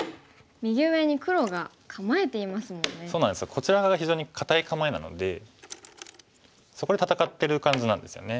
こちら側が非常に堅い構えなのでそこで戦ってる感じなんですよね。